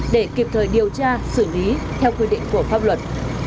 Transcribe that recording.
để điều tra xử lý theo quy định của pháp luật